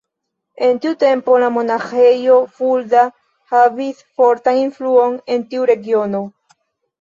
En tiu tempo la monaĥejo Fulda havis fortan influon en tiu regiono.